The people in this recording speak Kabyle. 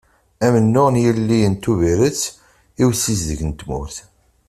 Amennuɣ n yilelliyen n Tubiret i usizdeg n tmurt.